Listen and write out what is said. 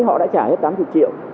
họ đã trả hết tám mươi triệu